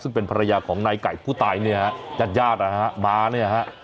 ซึ่งเป็นภรรยาของนายไก่ผู้ตายเนี่ยฮะญาติญาตินะฮะมาเนี่ยฮะ